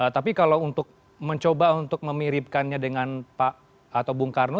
tapi kalau untuk mencoba untuk memiripkannya dengan pak atau bung karno